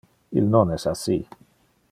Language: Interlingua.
Il non es assi.